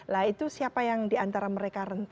nah itu siapa yang diantara mereka rentan